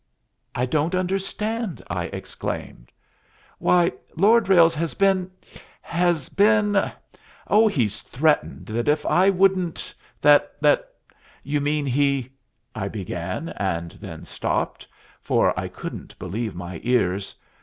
"I don't understand," I exclaimed. "Why, Lord Ralles has been has been oh, he's threatened that if I wouldn't that " "You mean he ?" I began, and then stopped, for I couldn't believe my ears.